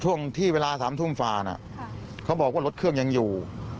ช่วงที่เวลา๓ทุ่มฝ่าน่ะเขาบอกว่ารถเครื่องยังอยู่